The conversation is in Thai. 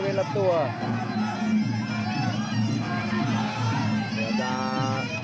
เกี่ยวเพรียรทระมาย